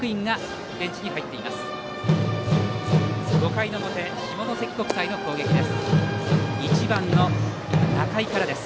５回の表、下関国際の攻撃です。